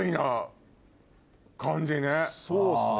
そうっすね。